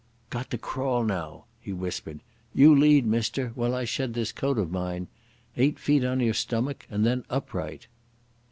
"Got to crawl now," he whispered. "You lead, mister, while I shed this coat of mine. Eight feet on your stomach and then upright."